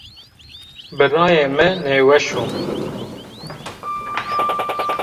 Birayê mi nêweş o.